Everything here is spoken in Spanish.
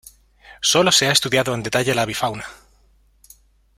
Sólo se ha estudiado en detalle la avifauna.